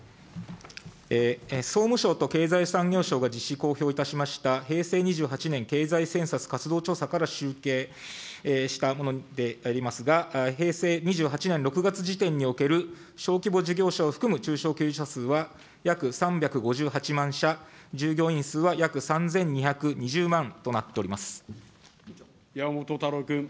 総務省と経済産業省が実施、公表いたしました平成２８年、経済政策活動調査から集計したものでありますが、平成２８年６月時点における、小規模事業者を含む中小企業者数は約３５８万社、従業員数は約３山本太郎君。